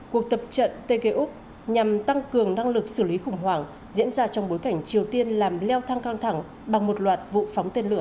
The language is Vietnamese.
cuộc tập trận tk úc nhằm tăng cường năng lực xử lý khủng hoảng diễn ra trong bối cảnh triều tiên làm leo thang căng thẳng bằng một loạt vụ phóng tên lửa